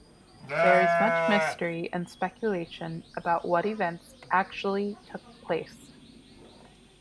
There is much mystery and speculation about what events actually took place.